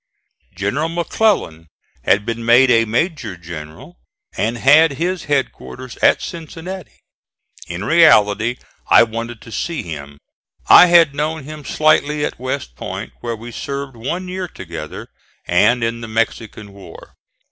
General McClellan had been made a major general and had his headquarters at Cincinnati. In reality I wanted to see him. I had known him slightly at West Point, where we served one year together, and in the Mexican war.